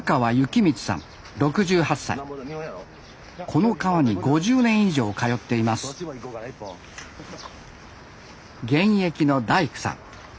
この川に５０年以上通っています現役の大工さん。